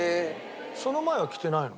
その前は着てないの？